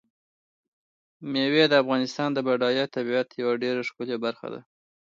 مېوې د افغانستان د بډایه طبیعت یوه ډېره ښکلې برخه ده.